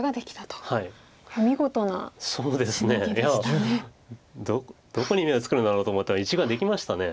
いやどこに眼を作るんだろうと思ったら１眼できましたね。